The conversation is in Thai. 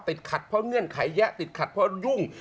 ติดขัดเพราะเงื่อนไขแยะติดขัดเพราะยุ่ง